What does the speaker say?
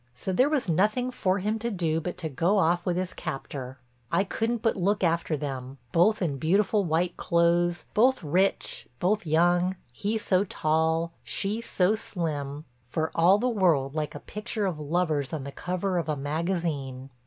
So there was nothing for him to do but to go off with his captor. I couldn't but look after them, both in beautiful white clothes, both rich, both young, he so tall, she so slim, for all the world like a picture of lovers on the cover of a magazine.